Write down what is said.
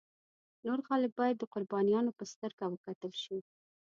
نور خلک باید د قربانیانو په سترګه وکتل شي.